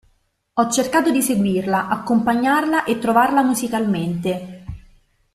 Ho cercato di seguirla, accompagnarla e trovarla musicalmente.